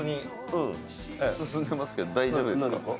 大丈夫ですか？